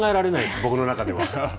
僕の中では。